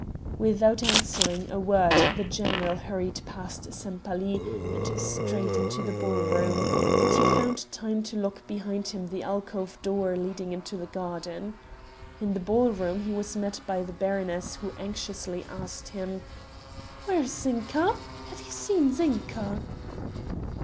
Without answering a word the general hurried past Sempaly and straight into the ball room; but he found time to lock behind him the alcove door leading into the garden. In the ball room he was met by the baroness who anxiously asked him: "Where is Zinka? have you seen Zinka?"